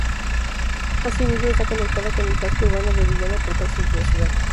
Asimismo, está conectada con el casco urbano de Villena por taxis de la ciudad.